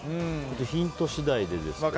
ヒント次第でですけど。